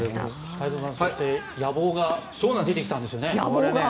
太蔵さん野望が出てきたんですよね。